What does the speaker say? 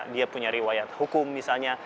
dia punya riwayat hukum misalnya